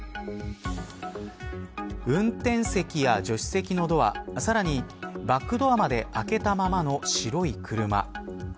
運転席や助手席のドアさらにバックドアまで開けたままの白い車。